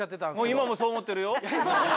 今もそう思ってるよ。